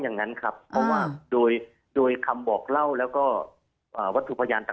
อย่างนั้นครับเพราะว่าโดยโดยคำบอกเล่าแล้วก็วัตถุพยานต่าง